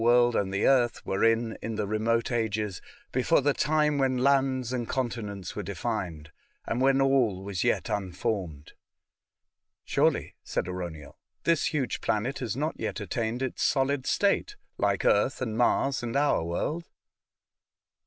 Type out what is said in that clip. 165 world and the earth were in in the remote ages, before the time when lands and continents were defined, and when all was ^^et unformed. *' Surely," said Arauniel, " this huge planet has not yet attained its solid state, like Earth and Mars and our world."